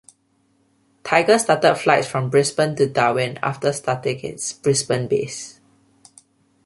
Tiger started flights from Brisbane to Darwin after starting its Brisbane base.